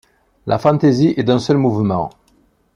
La Fantaisie est d'un seul mouvement.